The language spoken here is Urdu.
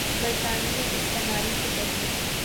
برطانوی استعماری سے پہلے